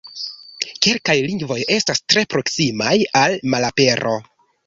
Kelkaj lingvoj estas tre proksimaj al malapero.